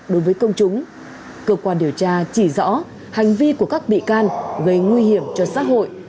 đối với công chúng cơ quan điều tra chỉ rõ hành vi của các bị can gây nguy hiểm cho xã hội